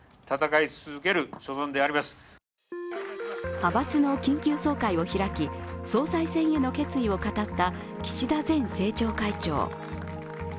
派閥の緊急総会を開き、総裁選への決意を語った岸田前政調会長。